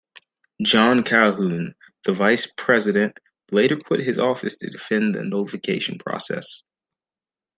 John Calhoun, the Vice President, later quit his office to defend the nullification process.